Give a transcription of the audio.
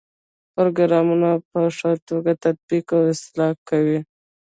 پروګرامونه په ښه توګه تطبیق او اصلاح کوي.